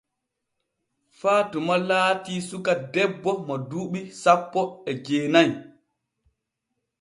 Faatuma laati suka debbo mo duuɓi sanpo e jeena'i.